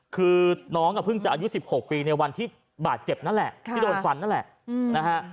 คือน้องก็เพิ่งจะอายุ๑๖ปีในวันที่บาดเจ็บนั่นแหละที่โดนฟันนั่นแหละนะฮะ